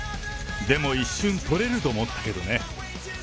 でも一瞬捕れると思ったけどね。